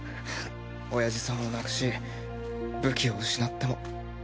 親父さんを亡くし武器を失っても。